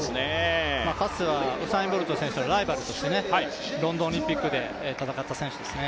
かつてはウサイン・ボルトのライバルとして、ロンドンオリンピックで戦った選手ですね。